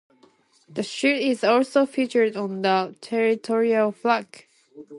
The shield is also featured on the territorial flag.